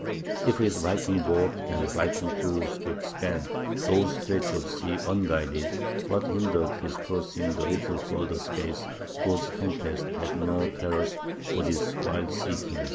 If his viking boat and viking crew could span those stretches of sea unguided, what hindered his crossing the little further space whose tempests had no terrors for this wild sea king?